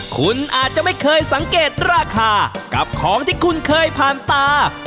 คุณอาจจะไม่เคยสังเกตราคากับของที่คุณเคยผ่านตา